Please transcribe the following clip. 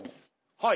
はい。